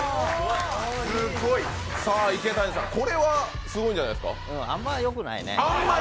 池谷さん、これはすごいんじゃないですか？